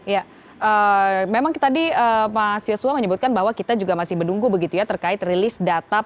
ya memang tadi mas yosua menyebutkan bahwa kita juga masih menunggu begitu ya terkait rilis data